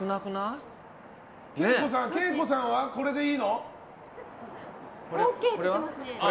けいこさんはこれでいいの？